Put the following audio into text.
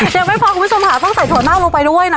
เดี๋ยวไม่พอคุณผู้ชมหาต้องใส่ถั่วแล้วลงไปด้วยนะ